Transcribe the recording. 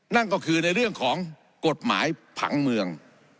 นั่นก็คือในเรื่องของกฎหมายผังเมือง